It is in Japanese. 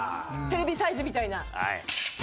テレビサイズみたいな。